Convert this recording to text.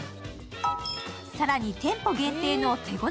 更に店舗限定の手ごね